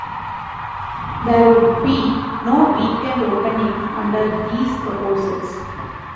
There would be no weekend opening under theses proposals.